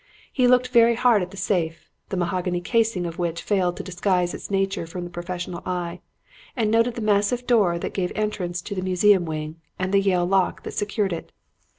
He looked very hard at the safe, the mahogany casing of which failed to disguise its nature from the professional eye, and noted the massive door that gave entrance to the museum wing and the Yale lock that secured it.